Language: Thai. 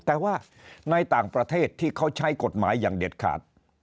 แต่ว่าในต่างประเทศที่เขาใช้กฎหมายอย่างเด็ดขาด